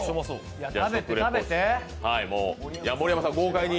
盛山さん、豪快に。